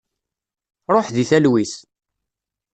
Ṛuḥ di talwit!